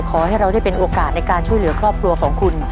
ขอให้เราได้เป็นโอกาสในการช่วยเหลือครอบครัวของคุณ